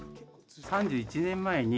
３１年前に、